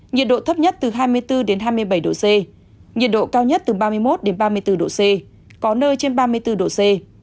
nhiệt độ thấp nhất từ hai mươi bốn hai mươi bảy độ c nhiệt độ cao nhất từ ba mươi một ba mươi bốn độ c có nơi trên ba mươi bốn độ c